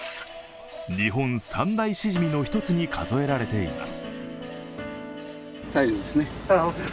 日本三大シジミの一つに数えられています。